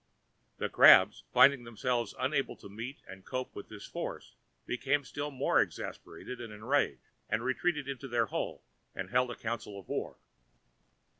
The crabs, finding themselves unable to meet and cope with this force, became still more exasperated and enraged, and retreated into their hole and held a council of war.